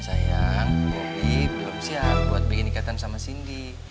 sayang bobi belum siap buat bikin ikatan sama cindy